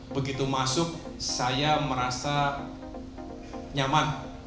begitu masuk saya merasa nyaman